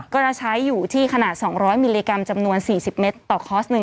ก็จะใช้อยู่ที่ขนาด๒๐๐มิลลิกรัมจำนวน๔๐เมตรต่อคอร์ส๑